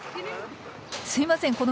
すいません